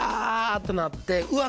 っとなってうわ